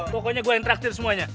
pokoknya gue yang terakhir semuanya